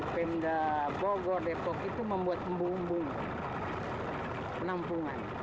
pemda bogor depok itu membuat umbung umbung penampungan